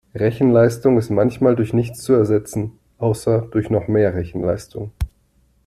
Rechenleistung ist manchmal durch nichts zu ersetzen, außer durch noch mehr Rechenleistung.